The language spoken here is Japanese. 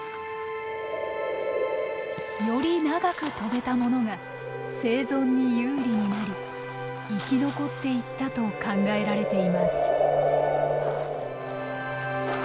より長く飛べたものが生存に有利になり生き残っていったと考えられています。